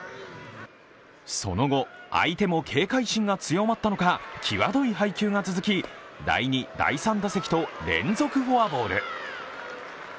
その後、相手も警戒心が強まったのかきわどい配球が続き、第２、第３打席と連続フォアボール。